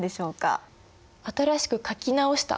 新しく書き直した。